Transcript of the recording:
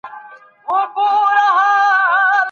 حق بايد په هر حال کي خوندي وي.